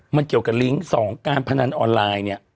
มันเกี่ยวกับลิงก์๒การพนันออนไลน์เนี่ย